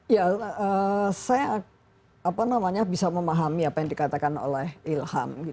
ya saya bisa memahami apa yang dikatakan oleh ilham